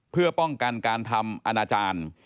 เพื่อป้องกันการทำอนาจารย์